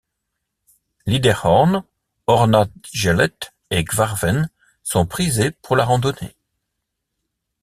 Lyderhorn, Ørnafjellet et Kvarven sont prisées pour la randonnée.